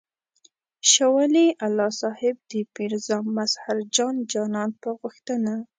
شاه ولي الله صاحب د میرزا مظهر جان جانان په غوښتنه.